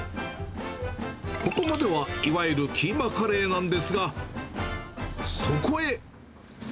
ここまではいわゆるキーマカレーなんですが、そこへ。